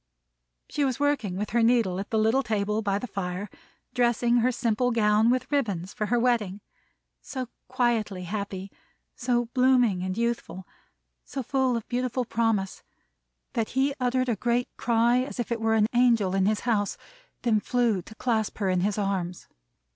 She was working with her needle at the little table by the fire, dressing her simple gown with ribbons for her wedding. So quietly happy, so blooming and youthful, so full of beautiful promise, that he uttered a great cry as if it were an Angel in his house; then flew to clasp her in his arms.